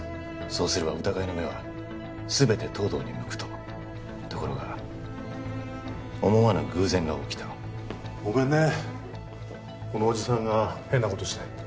そうすれば疑いの目は全て東堂に向くとところが思わぬ偶然が起きたごめんねこのおじさんが変なことして